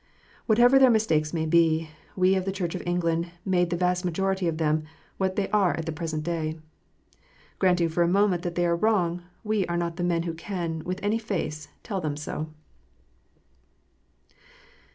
Whatever their mistakes may be, we of the Church of England made the vast majority of them what they are at the present day. Granting for a moment that they are wrong, we are not the men who can, with any face, tell them so.